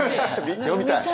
読みたい。